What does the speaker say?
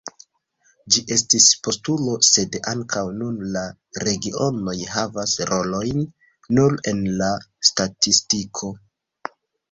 Ĝi estis postulo, sed ankaŭ nun la regionoj havas rolojn nur en la statistiko.